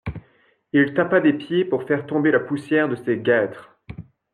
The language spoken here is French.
Il tapa des pieds pour faire tomber la poussière de ses guêtres.